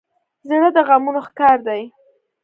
زړه د غمونو ښکار دی.